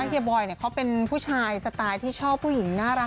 เฮีบอยเขาเป็นผู้ชายสไตล์ที่ชอบผู้หญิงน่ารัก